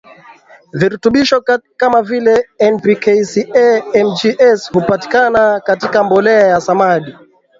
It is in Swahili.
virutubisho kama vile N P K Ca Mg S hupatikana katika mbolea ya samadi